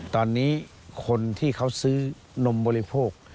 ตอนนี้คนที่เขาซื้อนมบริโภค